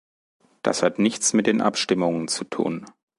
Das hat nichts mit den Abstimmungen zu tun.